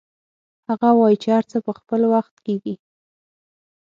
هغه وایي چې هر څه په خپل وخت کیږي